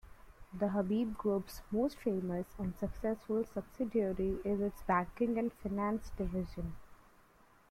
The Habib group's most famous and successful subsidiary is its Banking and Finance division.